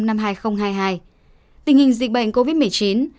tình hình dịch bệnh covid một mươi chín